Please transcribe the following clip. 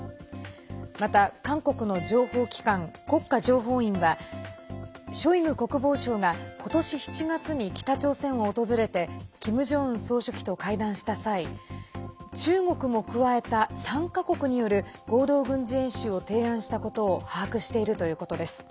また韓国の情報機関国家情報院はショイグ国防相が今年７月に北朝鮮を訪れてキム・ジョンウン総書記と会談した際中国も加えた３か国による合同軍事演習を提案したことを把握しているということです。